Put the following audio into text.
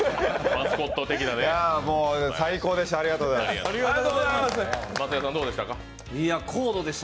もう最高でした、ありがとうございました。